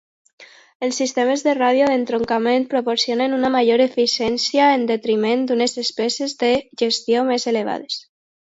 Els sistemes de ràdio d'entroncament proporcionen una major eficiència en detriment d'unes despeses de gestió més elevades.